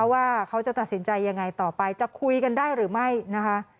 ว่าเขาจะตัดสินใจยังไงต่อไปจะคุยกันได้หรือไม่นะคะ